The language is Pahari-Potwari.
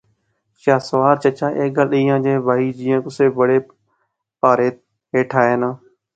شاہ سوار چچا ایہہ گل ایہھاں جئے بائی جیاں کُسے بڑے پہارے ہیٹھ آیا ناں